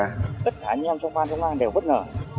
tất cả những em trong ban thông an đều bất ngờ